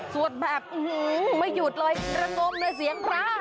สวดแบบอื้อหือไม่หยุดเลยระงมในเสียงพระ